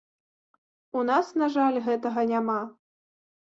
У нас, на жаль, гэтага няма.